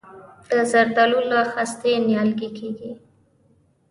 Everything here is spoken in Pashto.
د زردالو له خستې نیالګی کیږي؟